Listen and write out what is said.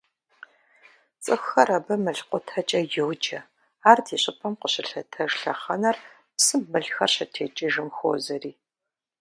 ЦӀыхухэр абы «мылкъутэкӀэ» йоджэ, ар ди щӀыпӀэм къыщылъэтэж лъэхъэнэр псым мылхэр щытекӀыжым хуозэри.